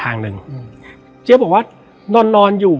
และวันนี้แขกรับเชิญที่จะมาเชิญที่เรา